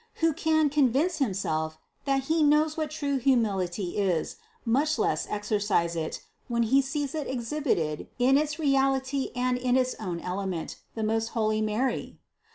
Who can convince himself, that he knows what true humility is, much less exercise it, when he sees it exhibited, in its real ity and in its own element, the most holy Mary?